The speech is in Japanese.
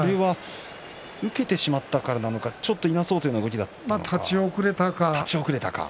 受けてしまったからなのかちょっといなそうという立ち遅れたか。